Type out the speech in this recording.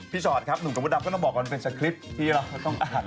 พี่ชอตครับหนุ่มกับวุดดับก็ต้องบอกก่อนเป็นสคริปต์ที่เราต้องอาจารย์